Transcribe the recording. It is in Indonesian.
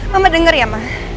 mama denger ya ma